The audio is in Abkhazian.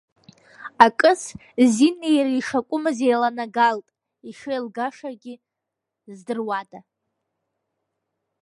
Акыс Зинеи иареи ишакәымыз еиланагалт, ишеилгашагьы здыруада.